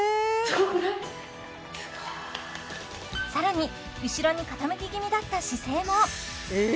すごい更に後ろに傾き気味だった姿勢もえ！